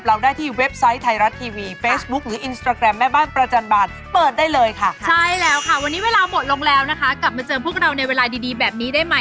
เอาแบบสกิลแบบ